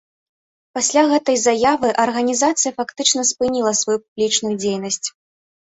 Пасля гэтай заявы арганізацыя фактычна спыніла сваю публічную дзейнасць.